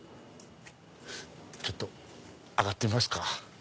ちょっと上がってみますか。